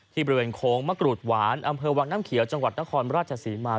บริเวณโค้งมะกรูดหวานอำเภอวังน้ำเขียวจังหวัดนครราชศรีมา